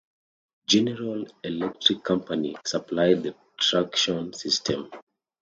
General Electric Company supplied the traction system.